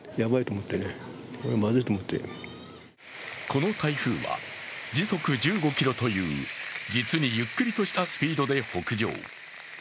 この台風は、時速１５キロという実にゆっくりとしたスピードで北上。